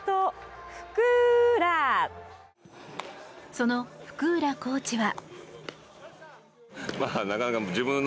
その福浦コーチは。